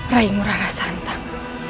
raihmu rara santang